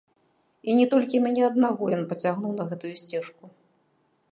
І не толькі мяне аднаго ён пацягнуў на гэтую сцежку.